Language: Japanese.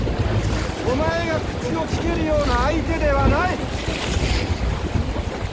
お前が口をきけるような相手ではない！